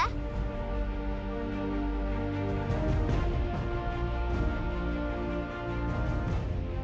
kakek itu sudah berubah